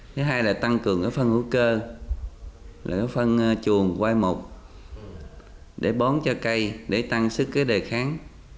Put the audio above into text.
thứ hai là tăng cường phân hữu cơ phân chuồng quai mục để bón cho cây để tăng sức đề kháng